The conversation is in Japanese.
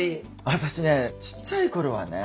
私ねちっちゃい頃はね